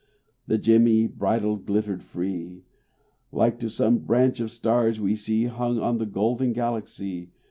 The gemmy bridle glittered free, Like to some branch of stars we see Hung in the golden Galaxy.